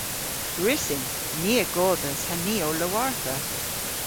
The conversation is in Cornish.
Gwrussyn. Ni a godhas ha ni ow lowartha.